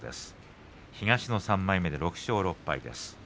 東の３枚目で６勝６敗です。